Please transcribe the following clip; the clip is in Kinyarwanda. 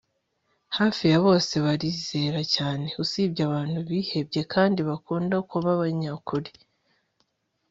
hafi ya bose barizera cyane usibye abantu bihebye, kandi bakunda kuba abanyakuri - joseph t hallinan